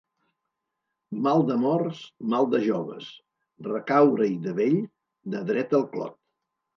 Mal d'amors, mal de joves, recaure-hi de vell, de dret al clot.